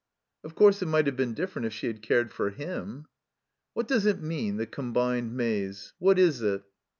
Of course, it might have been different if she had cared for him. "What does it mean, the Combined Maze? What is it?"